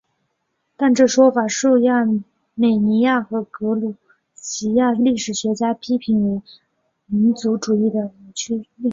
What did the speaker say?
但这说法受亚美尼亚和格鲁吉亚历史学家批评为被民族主义的扭曲该区域的历史。